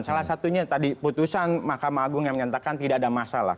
salah satunya tadi putusan mahkamah agung yang menyatakan tidak ada masalah